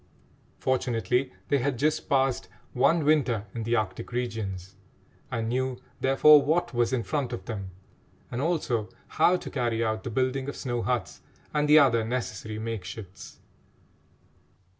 Fortunately they had just passed one winter in the Arctic regions and knew, therefore, what was in front of them, and also how to carry out the building of snow huts and the other necessary makeshifts.